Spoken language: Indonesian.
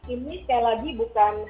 ini sekali lagi bukan